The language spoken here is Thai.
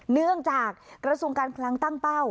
เนื่องจากกระทรวงการคลังตั้งเป้า